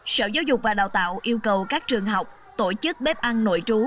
sở giáo dục và đào tạo yêu cầu các trường học tổ chức bếp ăn nội trú